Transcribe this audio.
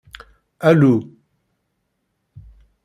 Alu!